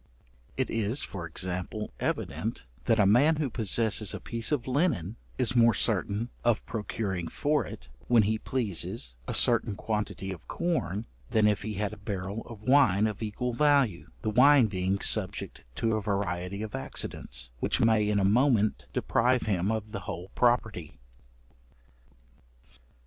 It is (for example) evident, that a man who possesses a piece of linen, is more certain, of procuring for it, when he pleases, a certain quantity of corn, than if he had a barrel of wine of equal value: the wine being subject to a variety of accidents, which may in a moment deprive him of the whole property.